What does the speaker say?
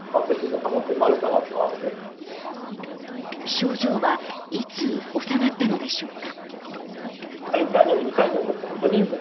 症状はいつおさまったのでしょうか。